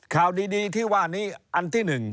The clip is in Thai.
ข่าวดีที่ว่านี้อันที่๑